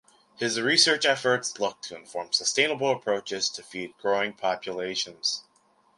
His research efforts look to inform sustainable approaches to feed growing populations.